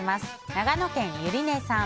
長野県の方。